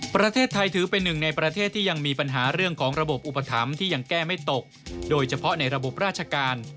ประเทศไทยถือเป็นหนึ่งในประเทศที่ยังมีปัญหาเรื่องของระบบอุปถัมภ์ที่ยังแก้ไม่ตกโดยเฉพาะในระบบราชการ